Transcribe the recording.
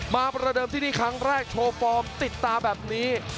ประเดิมที่นี่ครั้งแรกโชว์ฟอร์มติดตาแบบนี้